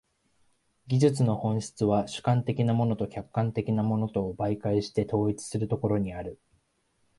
技術の本質は主観的なものと客観的なものとを媒介して統一するところにある。